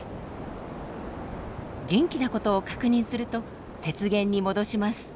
元気なことを確認すると雪原に戻します。